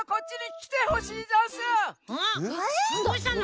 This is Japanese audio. どうしたの？